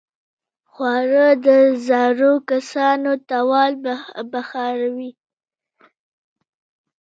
خوړل د زړو کسانو توان بحالوي